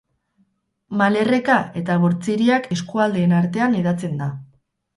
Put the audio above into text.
Malerreka eta Bortziriak eskualdeen artean hedatzen da.